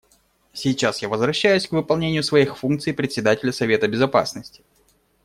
Сейчас я возвращаюсь к выполнению своих функций Председателя Совета Безопасности.